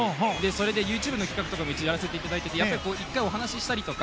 それでＹｏｕＴｕｂｅの企画とかやらせていただいていて一回お話させていただいたりとか